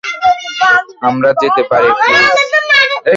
আমরা যেতে পারি প্লিজ?